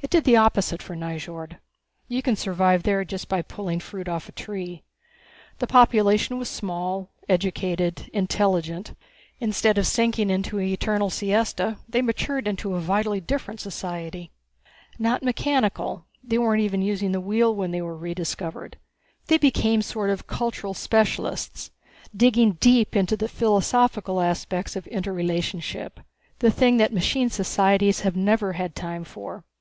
It did the opposite for Nyjord. You can survive there just by pulling fruit off a tree. The population was small, educated, intelligent. Instead of sinking into an eternal siesta they matured into a vitally different society. Not mechanical they weren't even using the wheel when they were rediscovered. They became sort of cultural specialists, digging deep into the philosophical aspects of interrelationship the thing that machine societies never have had time for.